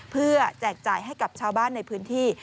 เพื่อแจกจ่ายให้กับชาวบ้านในพื้นที่